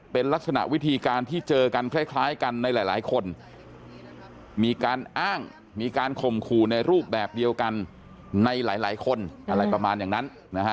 เป็นลักษณะวิธีการที่เจอกันคล้ายกันในหลายคนมีการอ้างมีการข่มขู่ในรูปแบบเดียวกันในหลายคนอะไรประมาณอย่างนั้นนะฮะ